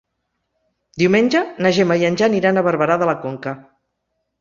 Diumenge na Gemma i en Jan iran a Barberà de la Conca.